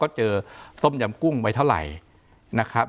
เจอต้มยำกุ้งไว้เท่าไหร่นะครับ